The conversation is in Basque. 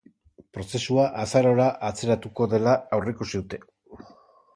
Prozesua azarora atzeratuko dela aurreikusi dute.